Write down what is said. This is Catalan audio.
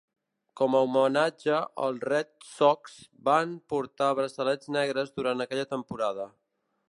Com a homenatge, els Red Sox van portar braçalets negres durant aquella temporada.